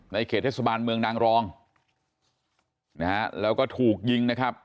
เขตเทศบาลเมืองนางรองนะฮะแล้วก็ถูกยิงนะครับ